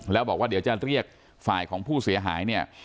แล้วบอกว่าเดี๋ยวจะเรียกฝ่ายของผู้เสียหายเนี่ย